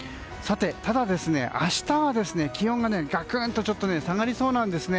ただ、明日は気温がガクンと下がりそうなんです。